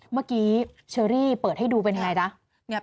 เมื่อกี้เชอรี่เปิดให้ดูเป็นยังไงนะ